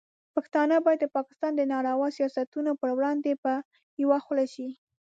پښتانه باید د پاکستان د ناوړه سیاستونو پر وړاندې په یوه خوله شي.